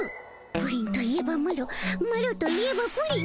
プリンといえばマロマロといえばプリン。